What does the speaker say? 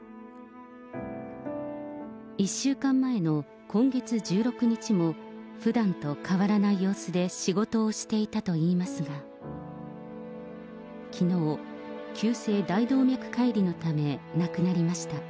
１週間前の今月１６日も、ふだんと変わらない様子で仕事をしていたといいますが、きのう、急性大動脈解離のため、亡くなりました。